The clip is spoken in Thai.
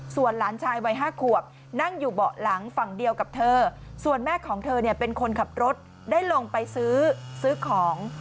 ส่วนหลานชายวัย๕ขวบนั่งอยู่เบาะหลังฝั่งเดียวกับเธอส่วนแม่ของเธอเนี่ยเป็นคนขับรถได้ลงไปซื้อของ